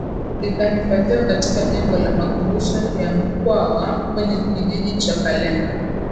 Likahifadhiwa katika jengo la makumbusho ya Mkwawa kwenye kijiji cha Kalenga